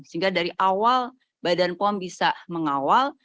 sehingga dari awal badan pom bisa mengawal